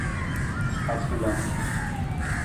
Akulung.